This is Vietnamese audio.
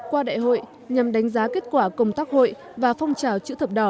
qua đại hội nhằm đánh giá kết quả công tác hội và phong trào chữ thập đỏ